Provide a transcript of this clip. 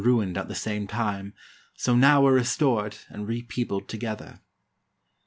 ROME ruined at the same time, so now were restored and re peopled together.